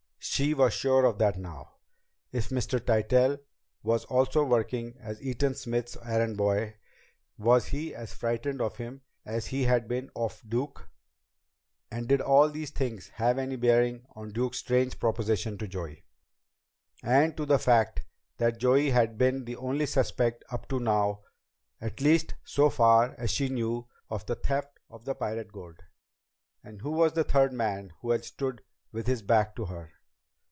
She was sure of that now! If Mr. Tytell was also working as Eaton Smith's errand boy, was he as frightened of him as he had been of Duke? And did all these things have any bearing on Duke's strange proposition to Joey? And to the fact that Joey had been the only suspect up to now, at least so far as she knew, of the theft of the pirate gold? And who was the third man who had stood with his back to her?